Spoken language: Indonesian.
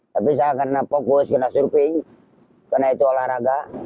tapi saya karena fokus kena surfing karena itu olahraga